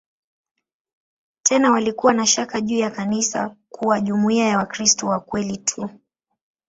Tena walikuwa na shaka juu ya kanisa kuwa jumuiya ya "Wakristo wa kweli tu".